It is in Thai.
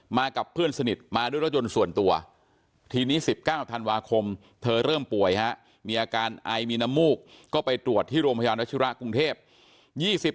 กับเพื่อนสนิทมาด้วยรถยนต์ส่วนตัวทีนี้๑๙ธันวาคมเธอเริ่มป่วยฮะมีอาการไอมีน้ำมูกก็ไปตรวจที่โรงพยาบาลวัชิระกรุงเทพ